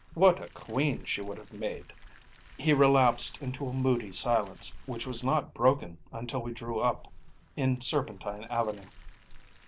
What a queen she would have made!‚ÄĚ He relapsed into a moody silence, which was not broken until we drew up in Serpentine Avenue.